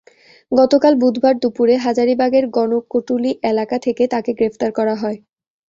গতকাল বুধবার দুপুরে হাজারীবাগের গণকটুলী এলাকা থেকে তাঁকে গ্রেপ্তার করা হয়।